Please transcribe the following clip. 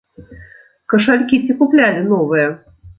Кашалькі ці куплялі новыя?